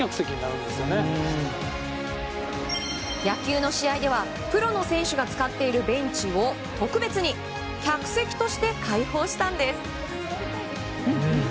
野球の試合ではプロの選手が使っているベンチを特別に客席として開放したんです。